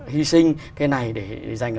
hy sinh cái này để dành